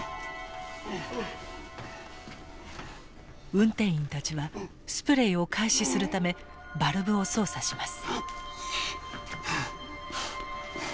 運転員たちはスプレイを開始するためバルブを操作します。